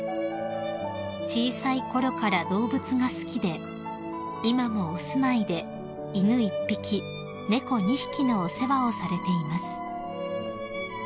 ［小さいころから動物が好きで今もお住まいで犬１匹猫２匹のお世話をされています］